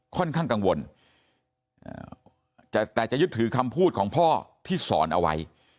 ค่อนข้างกังวลแต่จะยึดถือคำพูดของพ่อที่สอนเอาไว้